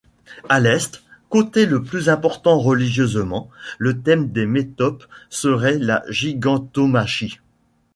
À l'est, côté le plus important religieusement, le thème des métopes serait la gigantomachie.